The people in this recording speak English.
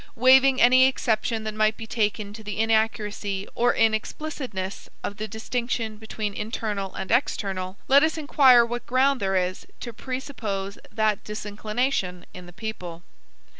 Waiving any exception that might be taken to the inaccuracy or inexplicitness of the distinction between internal and external, let us inquire what ground there is to presuppose that disinclination in the people.